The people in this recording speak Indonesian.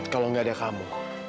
kalau gak ada kamu